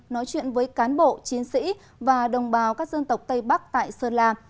nói chuyện với cán bộ chiến sĩ và đồng bào các dân tộc tây bắc tại sơn la